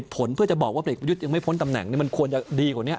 เพื่อจะบอกตรงนี้มันควรดีกว่านี้